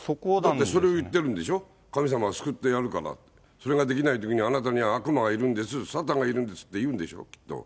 それを言ってるんでしょ、神様が救ってやるから、それができないときに、あなたには悪魔がいるんです、サタンがいるんですって言うんでしょ、きっと。